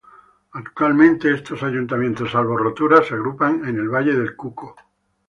Actualmente estos ayuntamientos salvo Roturas se agrupan en el Valle del Cuco.